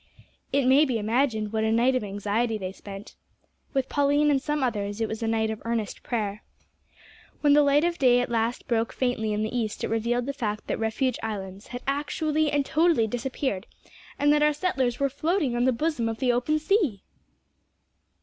It may be imagined what a night of anxiety they spent. With Pauline and some others it was a night of earnest prayer. When the light of day at last broke faintly in the east it revealed the fact that Refuge Islands had actually and totally disappeared, and that our settlers were floating on the bosom of the open sea!